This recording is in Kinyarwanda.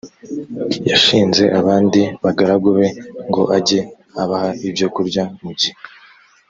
yashinze abandi bagaragu be ngo ajye abaha ibyokurya mu gihe